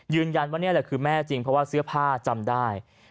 ยืนยันว่านี่แหละคือแม่จริงเพราะว่าเสื้อผ้าจำได้